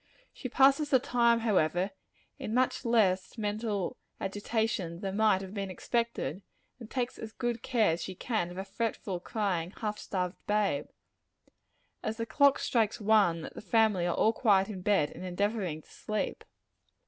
She passes the time, however, in much less mental agitation than might have been expected, and takes as good care as she can, of a fretful, crying, half starved babe. As the clock strikes one, the family are all quiet in bed, and endeavoring to sleep.